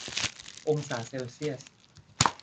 องศาเซลเซียล